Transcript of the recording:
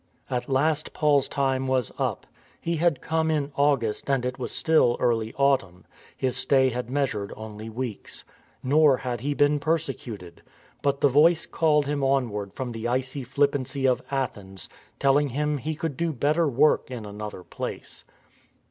'At last Paul's time was up. He had come in August, and it was still early autumn: his stay had measured only weeks. Nor had he been persecuted. But the Voice called him. onward from the icy flippancy of Athens, telling him he could do better work in another place.